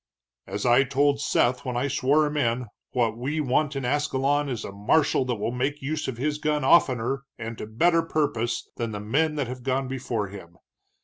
"As I told Seth when I swore him in, what we want in Ascalon is a marshal that will use his gun oftener, and to better purpose, than the men that have gone before him.